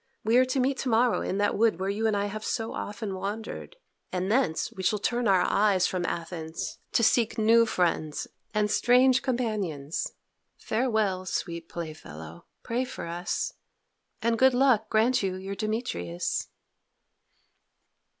We are to meet to morrow in that wood where you and I have so often wandered, and thence we shall turn our eyes from Athens to seek new friends and strange companions. Farewell, sweet playfellow; pray for us, and good luck grant you your Demetrius."